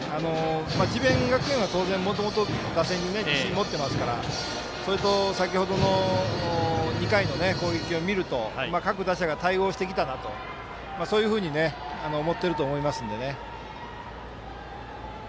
智弁学園はもともと打線に自信持ってますから先ほどの２回の攻撃を見ると各打者が対応してきたなというふうに思っていると思いますので。